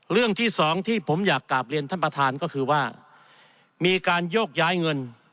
เรื่องที่สองที่ผมอยากกลับเรียนท่านประธานก็คือว่ามีการโยกย้ายเงิน